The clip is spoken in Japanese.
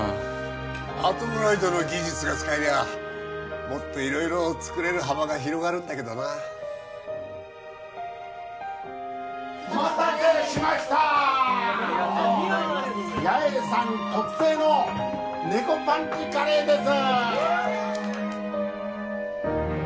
アトムロイドの技術が使えりゃもっと色々作れる幅が広がるんだけどなお待たせしましたヤエさん特製の猫パンチカレーです！